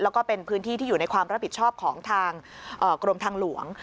แล้วก็เป็นพื้นที่ที่อยู่ในความรับผิดชอบของทางกรมทางหลวง